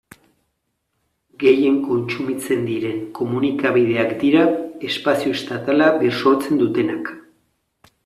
Gehien kontsumitzen diren komunikabideak dira espazio estatala bisortzen dutenak.